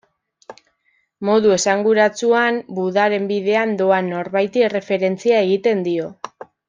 Modu esanguratsuan Budaren bidean doan norbaiti erreferentzia egiten dio.